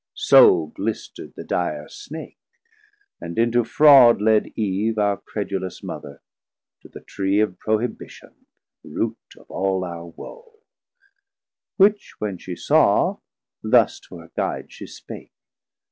So glister'd the dire Snake and into fraud Led Eve our credulous Mother, to the Tree Of prohibition, root of all our woe; Which when she saw, thus to her guide she spake.